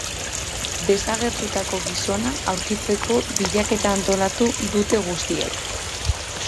Desagertutako gizona aurkitzeko bilaketa antolatu dute guztiek.